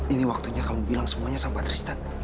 ini waktunya kamu bilang semuanya sama tristan